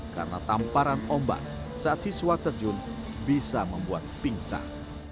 karena tamparan ombak saat siswa terjun bisa membuat pingsan